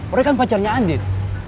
orang kan pacarnya andin